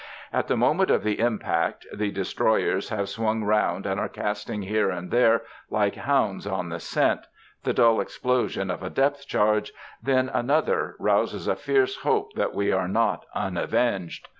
At the moment of the impact the destroyers have swung round and are casting here and there like hounds on the scent: the dull explosion of a depth charge then another, rouses a fierce hope that we are not unavenged.